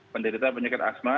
penderita penyakit asma